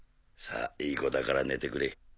さあいい子だから寝てくれ。